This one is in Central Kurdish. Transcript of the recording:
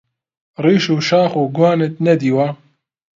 ڕیش و شاخ و گوانت نەدیوە؟!